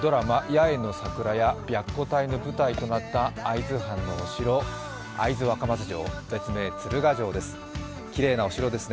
「八重の桜」や「白虎隊」の舞台となった会津藩のお城、会津若松城、別名、鶴ヶ城です。